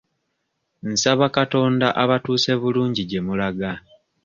Nsaba Katonda abatuuse bulungi gye mulaga.